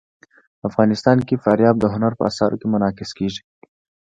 افغانستان کې فاریاب د هنر په اثار کې منعکس کېږي.